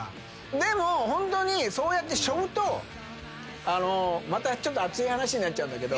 でもホントにそうやってしょうとまたちょっと熱い話になっちゃうんだけど。